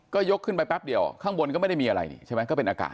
ก็ยกขึ้นไปแป๊บเดียวข้างบนก็ไม่ได้มีอะไรนี่ใช่ไหมก็เป็นอากาศ